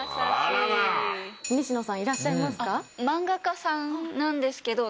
西野さんいらっしゃいますか？